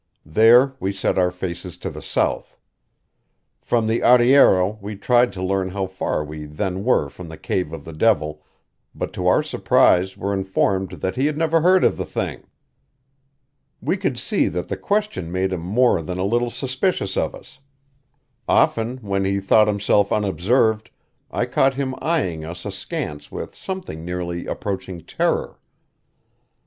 There we set our faces to the south. From the arriero we tried to learn how far we then were from the cave of the devil, but to our surprise were informed that he had never heard of the thing. We could see that the question made him more than a little suspicious of us; often, when he thought himself unobserved, I caught him eyeing us askance with something nearly approaching terror.